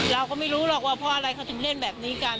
เราก็ไม่รู้หรอกว่าเพราะอะไรเขาถึงเล่นแบบนี้กัน